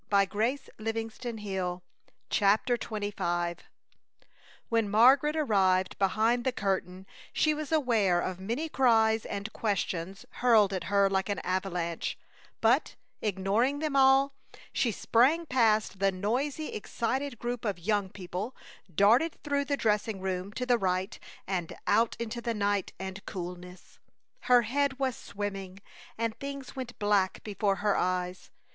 Tears and more darkness! CHAPTER XXV When Margaret arrived behind the curtain she was aware of many cries and questions hurled at her like an avalanche, but, ignoring them all, she sprang past the noisy, excited group of young people, darted through the dressing room to the right and out into the night and coolness. Her head was swimming, and things went black before her eyes.